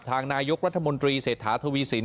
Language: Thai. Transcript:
ทางนายกรัฐมนตรีเศรษฐาทวีสิน